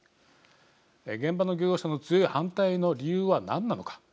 現場の漁業者の強い反対の理由は何なのか。